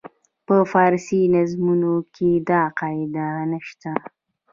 په فارسي نظمونو کې دا قاعده نه شته.